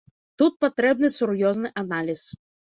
Тут патрэбны сур'ёзны аналіз.